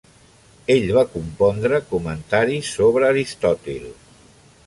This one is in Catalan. Ell va compondre comentaris sobre Aristòtil.